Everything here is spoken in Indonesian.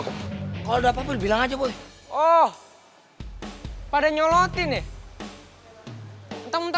kita lagi nungguin temen kita